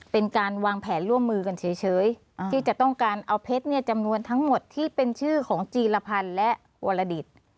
เป็นการวางแผนร่วมมือกันเฉยที่จะต้องการเอาเพชรจำนวนทั้งหมดที่เป็นชื่อของจีรพันธ์และวรดิต